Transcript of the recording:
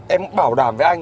em bảo đảm với anh